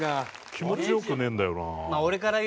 気持ち良くねえんだよな。